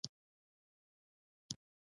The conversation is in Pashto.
شاوخوا یې د یهودانو زاړه کورونه دي.